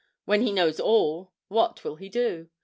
When he knows all, what will he do?